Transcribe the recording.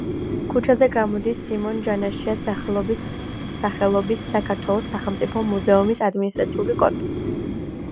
ქუჩაზე გამოდის სიმონ ჯანაშიას სახელობის სახელობის საქართველოს სახელმწიფო მუზეუმის ადმინისტრაციული კორპუსი.